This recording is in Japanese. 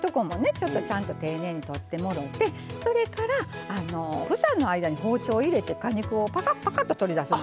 ちょっとちゃんと丁寧に取ってもろてそれから房の間に包丁を入れて果肉をパカッパカッと取り出すんです。